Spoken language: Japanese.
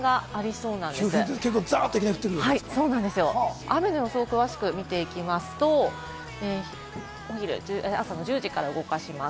そうなんですよ、雨の様子を詳しく見ていきますと、朝の１０時から動かします。